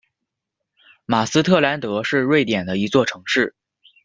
马斯特兰德是瑞典的一座城市。